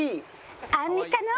アンミカの。